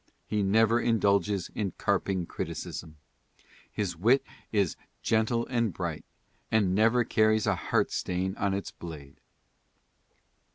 He never indulges in carping criticism. His wit is '■'gentle and bright" and "never carries a heartstain on its blade."